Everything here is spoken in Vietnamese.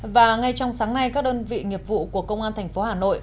và ngay trong sáng nay các đơn vị nghiệp vụ của công an thành phố hà nội